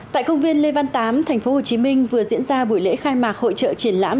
tại công viên lê văn tám tp hcm vừa diễn ra buổi lễ khai mạc hội trợ triển lãm